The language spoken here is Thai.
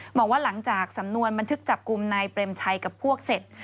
บอกว่าหลังจากสำนวนบันทึกจับกลุ่มนายเปรมชัยกับพวกเสร็จ